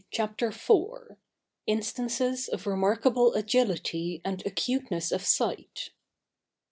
CHAPTER IV. INSTANCES OF REMARKABLE AGILITY AND ACUTENESS OF SIGHT.